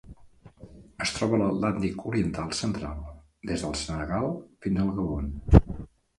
Es troba a l'Atlàntic oriental central: des del Senegal fins al Gabon.